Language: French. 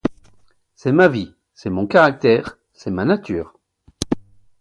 C'est ma vie, c'est mon caractère, c'est ma nature.